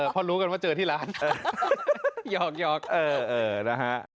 พอรู้กันว่าเจอที่ร้านยอกเออนะฮะ